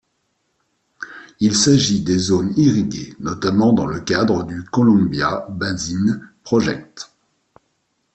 Il s'agit des zones irriguées notamment dans le cadre du Columbia Basin Project.